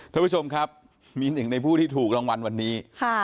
ท่านผู้ชมครับมีหนึ่งในผู้ที่ถูกรางวัลวันนี้